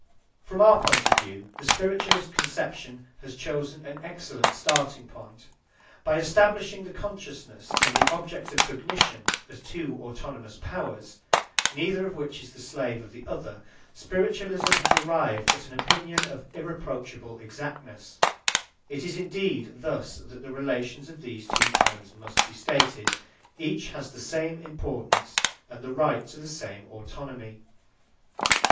From our point of view, the spiritualist conception has chosen an excellent starting point. By establishing the consciousness and the object of cognition as two autonomous powers, neither of which is the slave of the other, spiritualism has arrived at an opinion of irreproachable exactness; it is indeed thus that the relations of these two terms must be stated; each has the same importance and the right to the same autonomy.